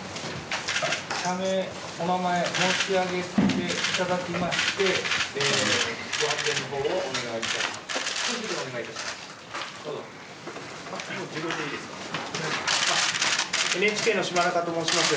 社名、お名前を申し上げていただきまして、ご発言のほうをお願いいたします。